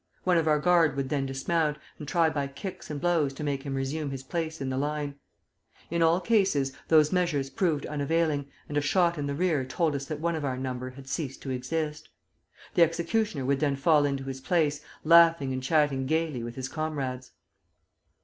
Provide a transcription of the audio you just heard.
One of our guard would then dismount, and try by kicks and blows to make him resume his place in the line. In all cases those measures proved unavailing, and a shot in the rear told us that one of our number had ceased to exist. The executioner would then fall into his place, laughing and chatting gayly with his comrades.